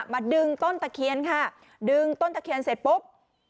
ดึงต้นตะเคียนค่ะดึงต้นตะเคียนเสร็จปุ๊บ